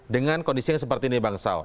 dengan kondisi yang seperti ini bang saud